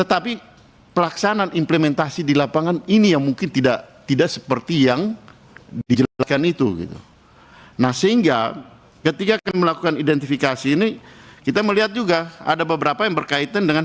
empat orang yang dapat kip saya dari empat ribu tujuh ratus orang